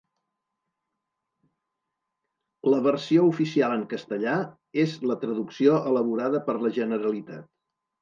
La versió oficial en castellà és la traducció elaborada per la Generalitat.